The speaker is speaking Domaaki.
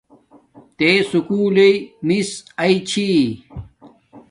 تے سکُول لیݵ میس آیݵ چھی